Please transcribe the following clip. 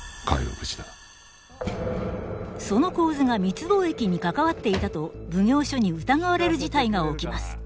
その神頭が密貿易に関わっていたと奉行所に疑われる事態が起きます。